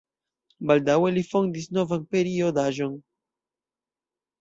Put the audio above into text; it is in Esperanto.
Baldaŭe li fondis novan periodaĵon.